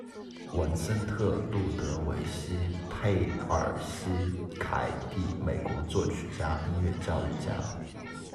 文森特·路德维希·佩尔西凯蒂，美国作曲家、音乐教育家。